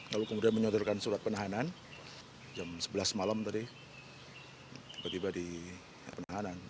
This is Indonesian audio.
lalu kemudian menyodorkan surat penahanan jam sebelas malam tadi tiba tiba di penahanan